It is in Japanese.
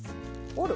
折る？